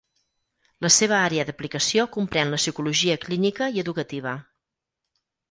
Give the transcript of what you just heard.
La seva àrea d’aplicació comprèn la psicologia clínica i educativa.